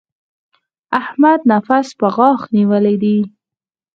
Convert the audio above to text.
احمد نفس په غاښ نيولی دی.